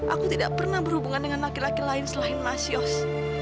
aku tidak pernah berhubungan dengan laki laki lain selain mas yos